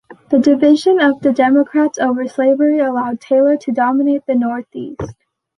The division of the Democrats over slavery allowed Taylor to dominate the Northeast.